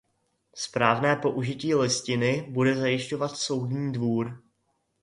Správné použití Listiny bude zajišťovat Soudní dvůr.